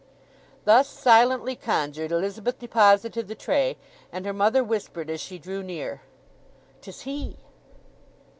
Thus silently conjured Elizabeth deposited the tray, and her mother whispered as she drew near, "'Tis he."